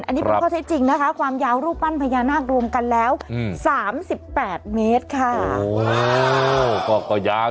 อันนี้เป็นข้อเท็จจริงนะคะความยาวรูปปั้นพญานาครวมกันแล้ว๓๘เมตรค่ะ